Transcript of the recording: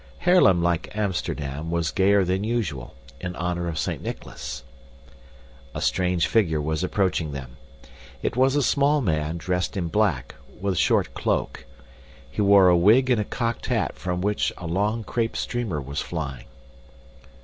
Haarlem, like Amsterdam, was gayer than usual, in honor of Saint Nicholas. A strange figure was approaching them. It was a small man dressed in black, with a short cloak. He wore a wig and a cocked hat from which a long crepe streamer was flying.